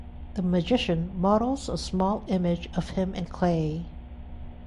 The magician models a small image of him in clay.